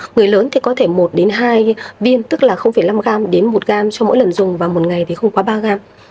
người lớn thì có thể một hai viên tức là năm g đến một g cho mỗi lần dùng và một ngày thì không quá ba g